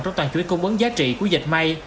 trong toàn chuối cung ứng giá trị của dịch may